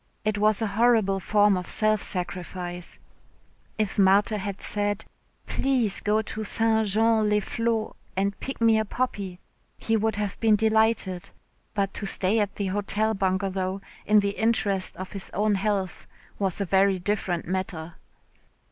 It was a horrible form of self sacrifice. If Marthe had said, "Please go to St. Jean les Flots and pick me a poppy," he would have been delighted, but to stay at the Hotel Bungalow in the interests of his own health was a very different matter.